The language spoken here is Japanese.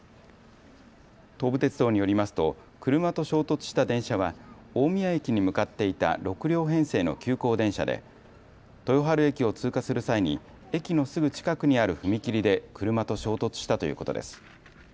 東武鉄道によりますと車と衝突した電車は大宮駅に向かっていた６両編成の急行電車で豊春駅を通過する際に駅のすぐ近くにある踏切で車と衝突したということです。